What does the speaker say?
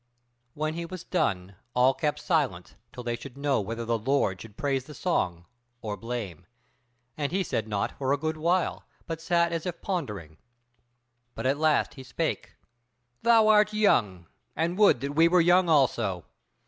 When he was done all kept silence till they should know whether the lord should praise the song or blame; and he said naught for a good while, but sat as if pondering: but at last he spake: "Thou art young, and would that we were young also!